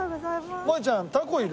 もえちゃんタコいる？